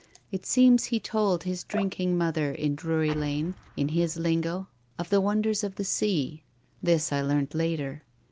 It seems he told his drinking mother in Druiy Lane, in his lingo, of the wonders of the sea. This I learnt later.